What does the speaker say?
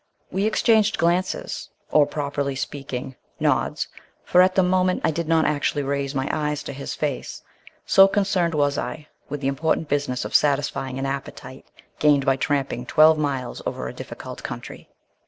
We exchanged glances, or, properly speaking, nods, for at the moment I did not actually raise my eyes to his face, so concerned was I with the important business of satisfying an appetite gained by tramping twelve miles over a difficult country.